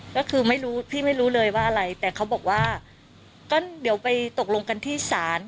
ก็คือไม่รู้พี่ไม่รู้เลยว่าอะไรแต่เขาบอกว่าก็เดี๋ยวไปตกลงกันที่ศาล